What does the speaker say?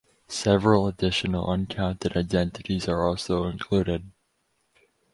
Several additional "uncounted identities" are also included.